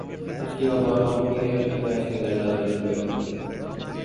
اس کی وفات ہو چکی ہے، اللہ اس کے درجات بلند کرے۔